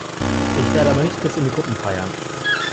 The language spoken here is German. Ich werde aber nicht bis in die Puppen feiern.